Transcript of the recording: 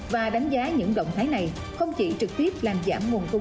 và đánh giá những động thái này không chỉ trực tiếp làm giảm nguồn cung